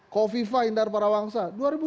kofifa indar parawangsa